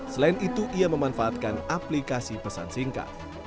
selain itu ia memanfaatkan aplikasi pesan singkat